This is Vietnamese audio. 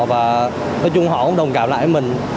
và nói chung họ cũng đồng cảm lại với mình